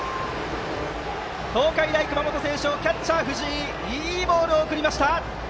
東海大熊本星翔キャッチャーの藤井いいボールを送りました。